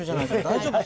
大丈夫。